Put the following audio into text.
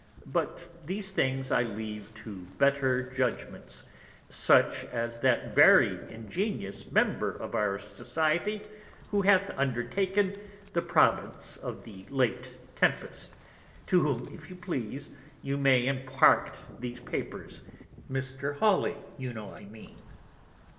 But these things I leave to better Judgments, such as that very ingenious Member of our Society, who hath undertaken the Province of the late Tempest; to whom, if you please, you may impart these Papers; Mr. Halley you know I mean.